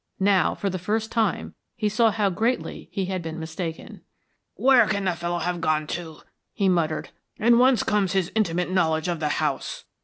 Now, for the first time, he saw how greatly he had been mistaken. "Where can the fellow have gone to?" he muttered. "And whence comes his intimate knowledge of the house?"